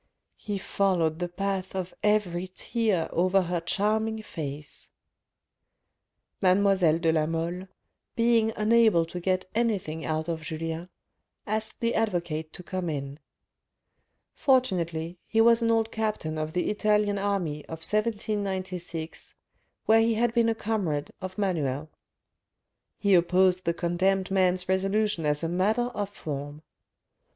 . He followed the path of every tear over her charming face. Mademoiselle de la Mole, being unable to get anything out 1 The speaker is a Jacobin. 506 THE RED AND THE BLACK of Julien, asked the advocate to come in. Fortunately, he was an old captain of the Italian army of 1796, where he had been a comrade of Manuel. He opposed the condemned man's resolution as a matter of form.